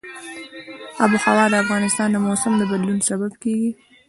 آب وهوا د افغانستان د موسم د بدلون سبب کېږي.